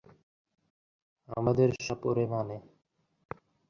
ধনী ব্যক্তিদের বরং লজ্জিত হওয়া উচিত।